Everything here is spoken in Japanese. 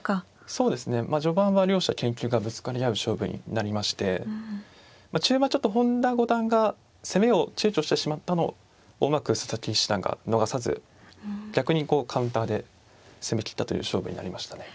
そうですねまあ序盤は両者研究がぶつかり合う勝負になりまして中盤ちょっと本田五段が攻めを躊躇してしまったのをうまく佐々木七段が逃さず逆にこうカウンターで攻めきったという勝負になりましたね。